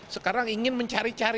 sekarang ingin mencari cari